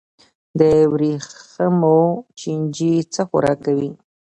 د وریښمو چینجی څه خوراک کوي؟